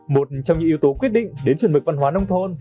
một trong những yếu tố quyết định đến chuẩn mực văn hóa nông thôn